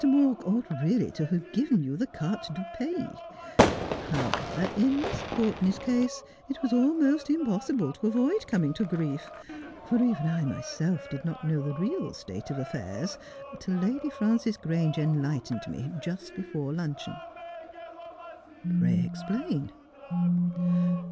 Mawk ought really to have given you the carte du pays. However, in Miss Courtenay's case it was almost impossible to avoid coming to grief, for even I myself did not know the real state of affairs till Lady Frances Grange enlightened me, just before luncheon.' ' Pray explain.'